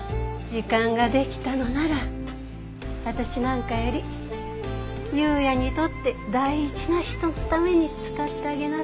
時間ができたのなら私なんかより裕也にとって大事な人のために使ってあげなさい。